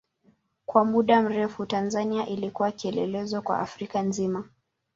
Kwa muda mrefu Tanzania ilikuwa kielelezo kwa Afrika nzima.